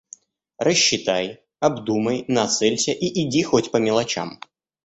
Рассчитай, обдумай, нацелься — и иди хоть по мелочам.